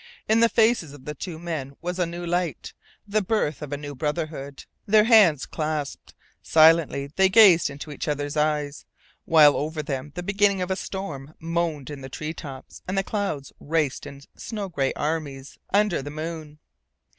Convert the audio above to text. In the faces of the two men was a new light, the birth of a new brotherhood. Their hands clasped. Silently they gazed into each other's eyes, while over them the beginning of storm moaned in the treetops and the clouds raced in snow gray armies under the moon.